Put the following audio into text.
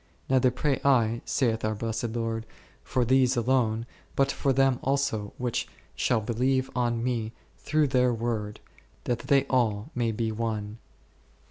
Neither pray I, saith our blessed Lord, for these alone, but for them also which shall believe on Me through their word, that they all may be one r .